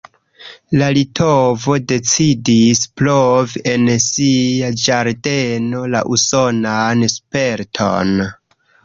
La litovo decidis provi en sia ĝardeno la usonan sperton.